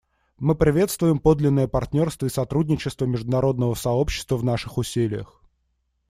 Мы приветствуем подлинное партнерство и сотрудничество международного сообщества в наших усилиях.